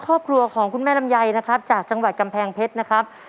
ครอบครัวของคุณแม่ลำไยนะครับจากจังหวัดกำแพงเพชรนะครับ